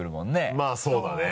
まぁそうだね。